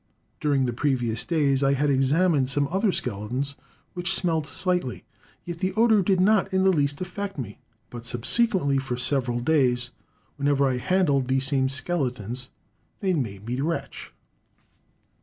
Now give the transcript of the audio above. During the previous days I had examined some other skeletons, which smelt slightly; yet the odour did not in the least affect me, but, subsequently for several days, whenever I handled these same skeletons, they made me retch.